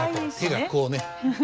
手がこうね。